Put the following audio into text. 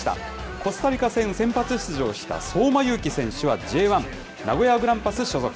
コスタリカ戦、先発出場した相馬勇紀選手はＪ１・名古屋グランパス所属。